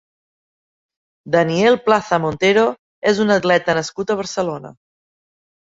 Daniel Plaza Montero és un atleta nascut a Barcelona.